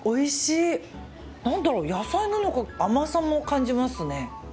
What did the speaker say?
何だろう、野菜なのか甘さも感じますね。